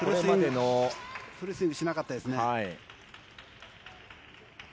フルスイングしなかったですね。